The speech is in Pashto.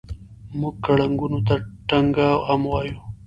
موږ ګړنګو ته ټنګه هم وایو.